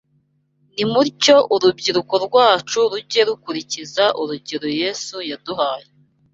Nimutyo urubyiruko rwacu rujye rukurikiza urugero Yesu yaduhaye